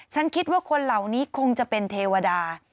ฉันคิดว่าคนเหล่านี้คงจะเป็นเทวดา